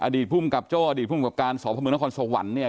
อดีตพุ่มกับโจ้อดีตพุ่มกับการสอบภัมมือนครสวรรค์เนี่ย